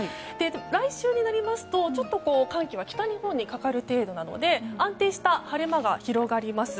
来週になりますと寒気は北日本にかかる程度なので安定した晴れ間が広がります。